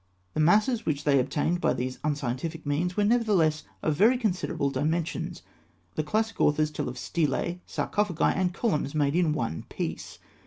The masses which they obtained by these unscientific means were nevertheless of very considerable dimensions. The classic authors tell of stelae, sarcophagi, and columns made in one piece.